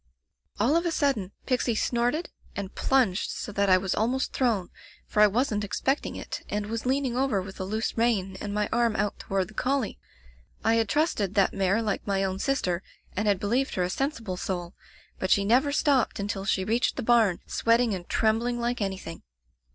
"All of a sudden. Pixie snorted and plunged so that I was almost thrown, for I wasn't expecting it, and was leaning over with a loose rein and my arm out toward the collie. I had trusted that mare like my own sister, and had believed her a sensible soul, but she never stopped until she reached the barn, sweating and trembling like anything.